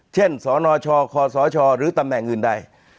เช่นสนชขสชหรือตำแหน่งอื่นได้